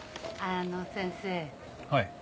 あの先生。